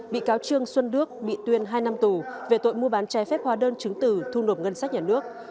bị cáo trương xuân đức bị tuyên hai năm tù về tội mua bán trái phép hóa đơn trứng tử thu nộp gân sách nhà nước